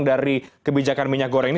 dari kebijakan minyak goreng ini